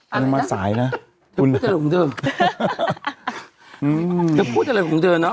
อ้าวอะไรนะคุณพูดอะไรของเจ้าคุณพูดอะไรของเจ้าเนอะ